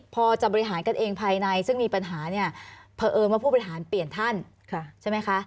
เพราะเอิญว่าผู้ประหารเปลี่ยนท่านใช่ไหมคะ